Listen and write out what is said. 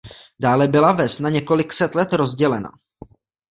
Dále byla ves několik set let rozdělena.